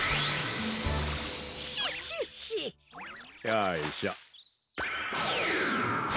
よいしょ。